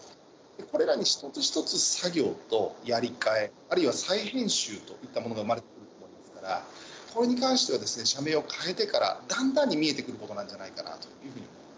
これらに一つ一つ作業と、やり替え、あるいは再編集といったものが生まれてくるものですから、これに関しては社名を変えてから、だんだんに見えてくることなんじ